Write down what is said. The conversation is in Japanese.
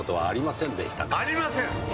ありません！！